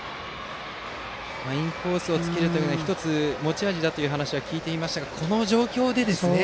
インコースを突けるのが１つ、持ち味だという話は聞いていましたがこの状況でですね。